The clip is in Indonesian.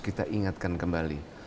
kita ingatkan kembali